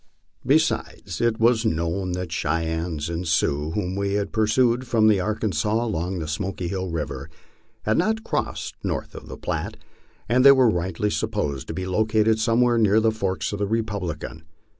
Besides, it was known that the Cheyennes and Sioux, whom we had pursued from the Arkansas across the Smoky Hill river, had not crossed north of the Platte, anil they were rightly supposed to be located somewhere near the forks of the Re publican.